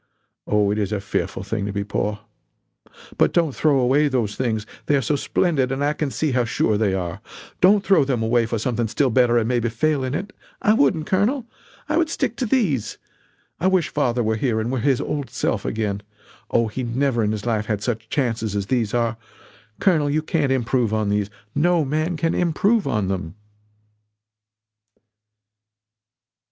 Oh, it is a fearful thing to be poor. But don't throw away those things they are so splendid and I can see how sure they are. Don't throw them away for something still better and maybe fail in it! I wouldn't, Colonel. I would stick to these. I wish father were here and were his old self again Oh, he never in his life had such chances as these are. Colonel; you can't improve on these no man can improve on them!"